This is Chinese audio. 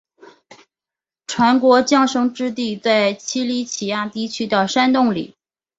传说降生之地在奇里乞亚地区的山洞里。